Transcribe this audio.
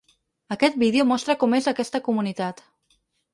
Aquest vídeo mostra com és aquesta comunitat.